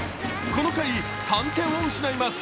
この回、３点を失います。